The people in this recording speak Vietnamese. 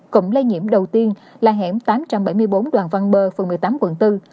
cụm lây nhiễm đầu tiên là hẻm tám trăm bảy mươi bốn đoàn văn bơ phường một mươi tám quận bốn